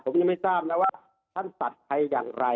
ผมยังไม่ทราบนะว่าท่านตัดใครอย่างไร